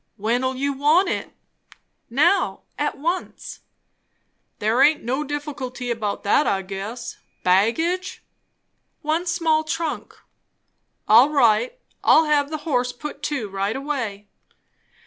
"When'll you want it?" "Now. At once." "There aint no difficulty about that, I guess. Baggage?" "One small trunk." "All right I'll have the horse put to right away."